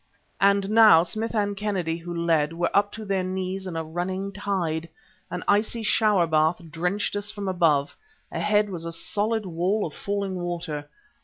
And now Smith and Kennedy, who lid, were up to their knees in a running tide. An icy shower bath drenched us from above; ahead was a solid wall of falling water.